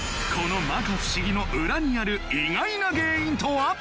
この摩訶不思議の裏にある意外な原因とは！？